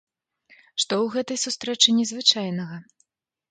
Што ў гэтай сустрэчы незвычайнага?